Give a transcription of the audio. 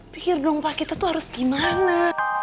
pikir dong pak kita tuh harus gimana